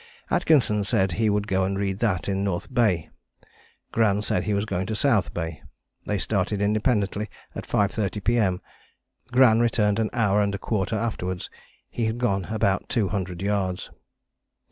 Atkinson said he would go and read that in North Bay: Gran said he was going to South Bay. They started independently at 5.30 P.M. Gran returned an hour and a quarter afterwards. He had gone about two hundred yards.